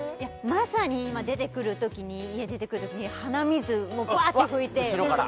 まさに今家出てくるときに鼻水バーッて拭いて後ろから？